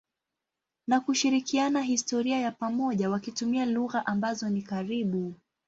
na kushirikiana historia ya pamoja wakitumia lugha ambazo ni karibu.